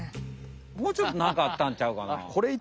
もうちょっとなんかあったんちゃうかな？